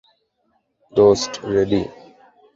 দোস্ত, রেডি।